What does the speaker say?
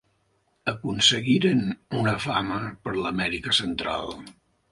Aconseguiren una fama per Amèrica Central.